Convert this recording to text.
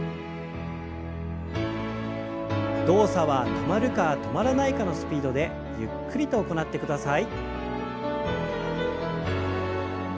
動作は止まるか止まらないかのスピードでゆっくりと行ってください。